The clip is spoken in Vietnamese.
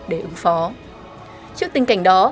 để ứng phó trước tình cảnh đó